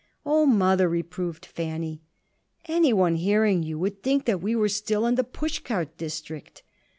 "O Mother!" reproved Fanny. "Anyone hearing you would think we were still in the push cart district."